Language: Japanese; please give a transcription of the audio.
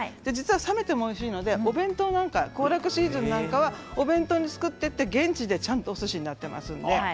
冷めてもおいしいのでお弁当とか行楽シーズンはお弁当に作っていって現地でちゃんとおすしになっています。